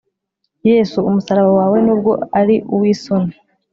yesu umusaraba wawe ,nubwo ari uwisoni